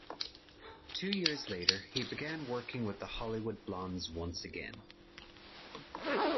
Two years later, he began working with the Hollywood Blondes once again.